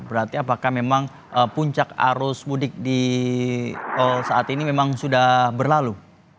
berarti apakah memang puncak arus mudik di saat ini memang sudah berlalu